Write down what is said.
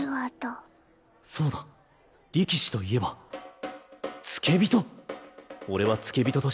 そうだ力士といえば付け人。